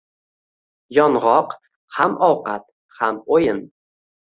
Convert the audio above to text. Yong‘oq - ham ovqat, ham o‘yin.